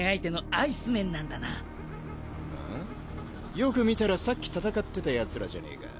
よく見たらさっき戦ってたヤツらじゃねえか。